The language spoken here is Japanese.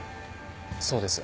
そうです。